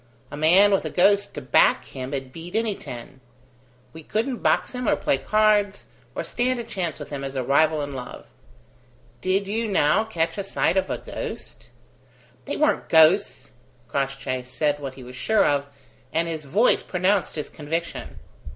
A man with a ghost to back him'd beat any ten. We couldn't box him or play cards, or stand a chance with him as a rival in love. Did you, now, catch a sight of a ghost?" "They weren't ghosts!" Crossjay said what he was sure of, and his voice pronounced his conviction.